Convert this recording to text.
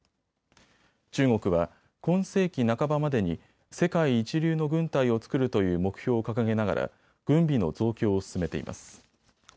中国は今世紀半ばまでに世界一流の軍隊を作るという目標を掲げながら軍備の増強を進めています。